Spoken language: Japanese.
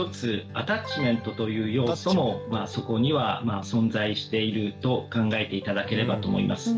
アタッチメントという要素もまあそこには存在していると考えて頂ければと思います。